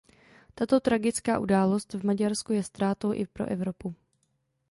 Tato tragická událost v Maďarsku je ztrátou i pro Evropu.